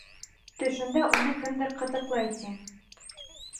Төшөндә уны кемдер ҡытыҡлай, ти.